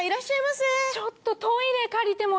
ちょっとトイレ借りてもいいですか？